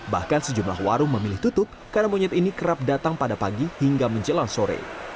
bahkan sejumlah warung memilih tutup karena monyet ini kerap datang pada pagi hingga menjelang sore